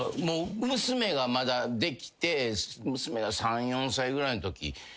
娘がまだできて娘が３４歳ぐらいのとき。